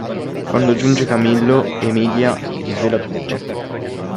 Quando giunge Camillo, Emilia gli svela tutto.